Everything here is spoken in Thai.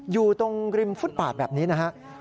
อยู่ตรงริมฟุตบาทแบบนี้นะครับ